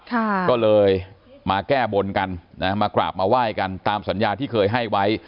ก็เลยมาแก้บนกันนะมากราบมาไหว้กันตามสัญญาที่เคยให้ไว้